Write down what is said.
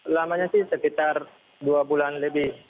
lamanya sih sekitar dua bulan lebih